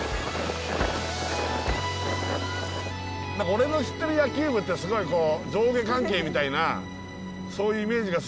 俺の知ってる野球部ってすごいこう上下関係みたいなそういうイメージがすごくあるんだけど。